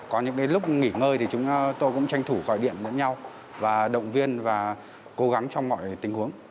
có những lúc nghỉ ngơi thì chúng tôi cũng tranh thủ gọi điện lẫn nhau và động viên và cố gắng trong mọi tình huống